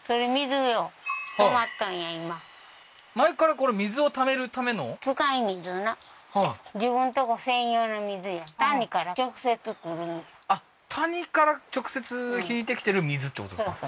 前からこれ水をためるためのあっ谷から直接引いてきてる水ってことですか？